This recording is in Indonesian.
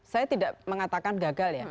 saya tidak mengatakan gagal ya